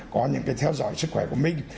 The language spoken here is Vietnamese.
có những theo dõi sức khỏe của mình